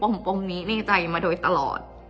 เพราะในตอนนั้นดิวต้องอธิบายให้ทุกคนเข้าใจหัวอกดิวด้วยนะว่า